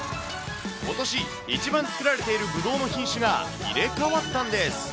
ことし、一番作られているぶどうの品種が、入れ代わったんです。